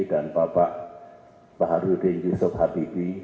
dan bapak baharudin yusuf habibie